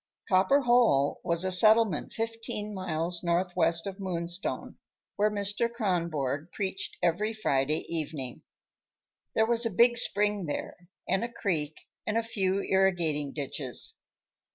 Copper Hole was a settlement fifteen miles northwest of Moonstone where Mr. Kronborg preached every Friday evening. There was a big spring there and a creek and a few irrigating ditches.